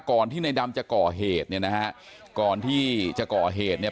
ที่ในดำจะก่อเหตุเนี่ยนะฮะก่อนที่จะก่อเหตุเนี่ย